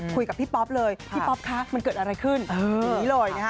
คุยกับพี่ป๊อปเลยพี่ป๊อปคะมันเกิดอะไรขึ้นอย่างนี้เลยนะคะ